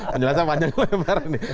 menjelaskan panjangnya pak